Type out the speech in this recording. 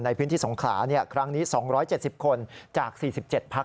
ในพื้นที่สงขลาครั้งนี้๒๗๐คนจาก๔๗พัก